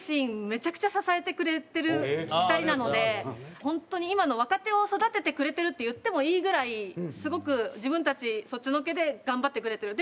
めちゃくちゃ支えてくれてる２人なので本当に今の若手を育ててくれてるって言ってもいいぐらいすごく自分たちそっちのけで頑張ってくれてる。